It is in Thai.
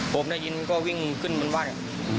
ผมได้ยินก็วิ่งขึ้นบนบ้าน